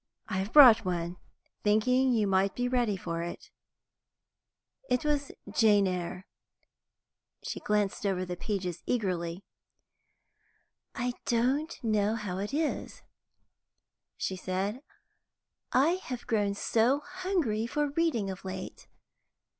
"I have brought one, thinking you might be ready for it." It was "Jane Eyre." She glanced over the pages eagerly. "I don't know how it is," she said, "I have grown so hungry for reading of late.